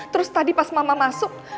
terus tadi pas mama masuk